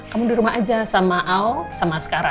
kamu di rumah aja sama ao sama sekarang